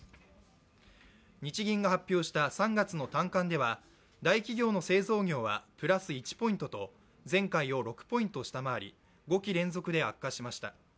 日銀が発表した３月の短観では大企業の製造業はプラス１ポイントと、前回を６ポイント下回り、５期連続で悪化しました。